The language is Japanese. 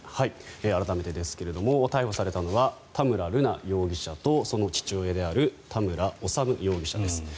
改めてですが逮捕されたのは田村瑠奈容疑者とその父親である田村修容疑者です。